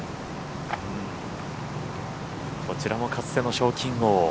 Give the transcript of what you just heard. こちらもかつての賞金王。